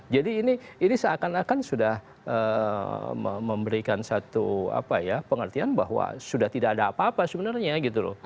jadi ini seakan akan sudah memberikan satu apa ya pengertian bahwa sudah tidak ada apa apa sebenarnya gitu loh